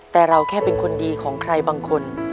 แต่เราแค่เป็นคนดีของใครบางคน